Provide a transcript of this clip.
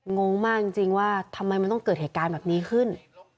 งงมากจริงว่าทำไมมันต้องเกิดเหตุการณ์แบบนี้ขึ้น